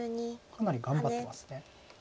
かなり頑張ってます。